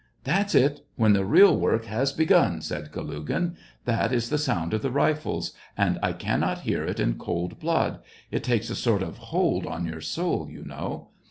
" That's it, when the real work has begun !" said Kalugin. —*' That is the sound of the rifles, and I cannot hear it in cold blood ; it takes a sort 66 SEVASTOPOL IN MAY. of hold on your soul, you know.